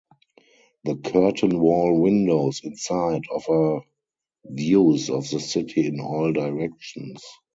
The curtain-wall windows inside offer views of the city in all directions.